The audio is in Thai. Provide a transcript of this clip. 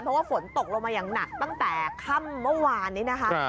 เพราะว่าฝนตกลงมาอย่างหนักตั้งแต่ค่ำเมื่อวานนี้นะคะ